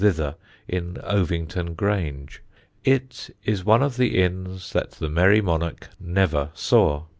thither, in Ovingdean Grange. It is one of the inns that the Merry Monarch never saw.